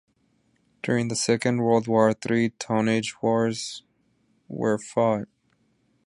During the Second World War, three tonnage wars were fought.